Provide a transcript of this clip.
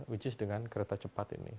which is dengan kereta cepat ini